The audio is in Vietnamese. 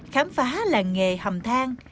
khám phá làng nghề hầm thang